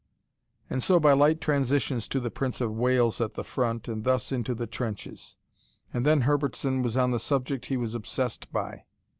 And so, by light transitions, to the Prince of Wales at the front, and thus into the trenches. And then Herbertson was on the subject he was obsessed by.